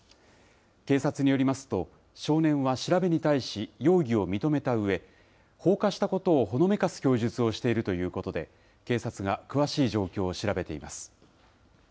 警察によりますと、少年は調べに対し容疑を認めたうえ、放火したことをほのめかす供述をしているということで、警察が詳しい状況を調べています。